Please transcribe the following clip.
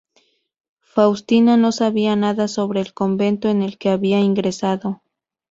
Faustina no sabía nada sobre el convento en el que había ingresado.